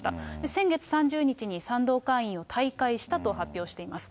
先月３０日に賛同会員を退会したと発表しています。